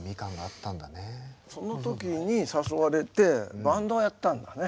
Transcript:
その時に誘われてバンドをやったんだね。